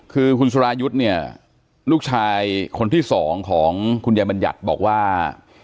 คือคุณสุรายุทธ์เนี่ยลูกชายคนที่สองของคุณยายบัญญัติบอกว่า